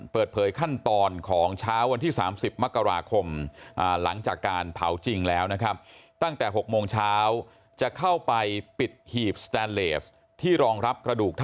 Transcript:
เปิดเผยขั้นตอนของเช้าวันที่๓๐มกราคมหลังจากการเผาจริงแล้วนะครับ